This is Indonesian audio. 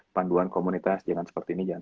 panduan komunitas jangan seperti ini